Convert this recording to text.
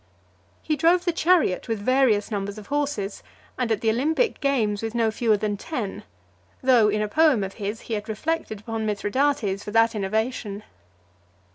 He drove the chariot with various numbers of horses, and at the Olympic games with no fewer than ten; though, in a poem of his, he had reflected upon Mithridates for that innovation.